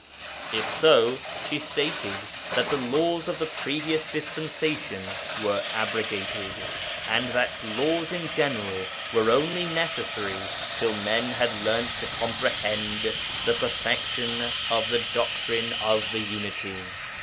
If so, she stated that the laws of the previous dispensation were abrogated, and that laws in general were only necessary till men had learnt to comprehend the Perfection of the Doctrine of the Unity.